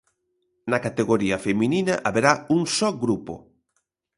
Na categoría feminina haberá un só grupo.